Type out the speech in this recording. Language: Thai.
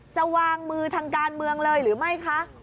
จะวางมือทางการเมืองเลยหรือไม่คะ